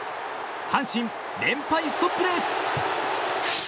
阪神、連敗ストップです！